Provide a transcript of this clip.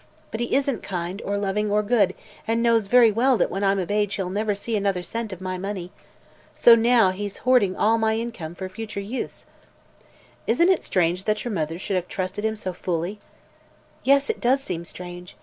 But he isn't kind, or loving, or good, and knows very well that when I'm of age he'll never see another cent of my money. So now he'd hoarding my income for future use." "Isn't it strange that your mother should have trusted him so fully?" asked Mary Louise. "Yes, it does seem strange.